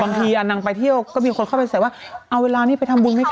บางทีนางไปเที่ยวก็มีคนเข้าไปใส่ว่าเอาเวลานี้ไปทำบุญไหมคะ